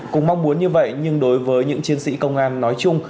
cũng mong muốn như vậy nhưng đối với những chiến sĩ công an nói chung